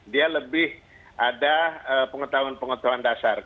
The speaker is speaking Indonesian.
dia lebih ada pengetahuan pengetahuan dasar